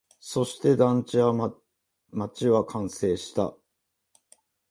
そして、団地は、街は完成した